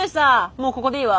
もうここでいいわ。